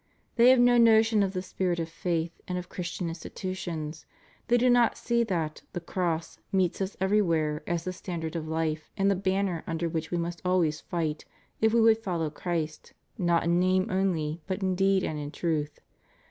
They have no notion of the spirit of faith and of Christian institutions, they do not see that the cross meets us every where as the standard of life and the banner under which we must always fight if we would follow Christ, not in name only, but in deed and in truth.